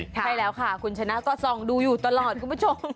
ใช่แล้วค่ะคุณชนะก็ส่องดูอยู่ตลอดคุณผู้ชม